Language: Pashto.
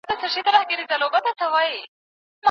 یوه ورځ د یوه ښار پر لور روان سوه